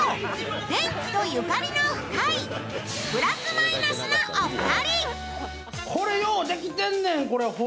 電気とゆかりの深いプラス・マイナスのお二人。